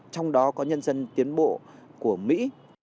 trong đó có nhân dân tiến bộ của mỹ